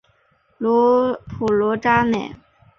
普卢扎内。